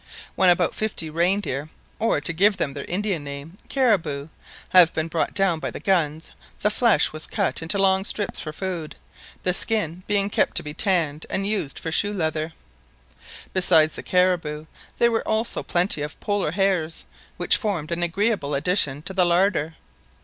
When about fifty reindeer, or, to give them their Indian name, "caribous," had been brought down by the guns, the flesh was cut into long strips for food, the skins being kept to be tanned and used for shoe leather. Besides the caribous, there were also plenty of Polar hares, which formed an agreeable addition to the larder.